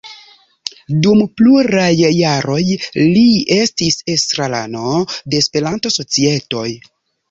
Dum pluraj jaroj li estis estrarano de Esperanto-societoj.